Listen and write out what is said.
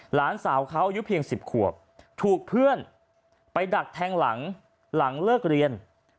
หลานสาวเขาอายุเพียง๑๐ขวบถูกเพื่อนไปดักแทงหลังหลังเลิกเรียน